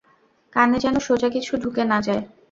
কানে যেন সোজা কিছু ঢুকে না যায়।